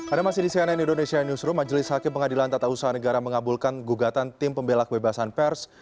ada masih di cnn indonesia newsroom majelis hakim pengadilan tata usaha negara mengabulkan gugatan tim pembelak kebebasan pers